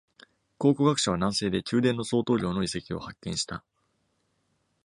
考古学者は、南西で宮殿の相当量の遺跡を発見した。